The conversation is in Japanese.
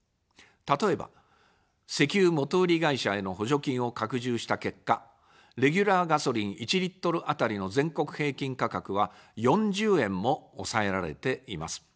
例えば、石油元売り会社への補助金を拡充した結果、レギュラーガソリン１リットル当たりの全国平均価格は４０円も抑えられています。